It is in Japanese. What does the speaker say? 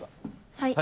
はい。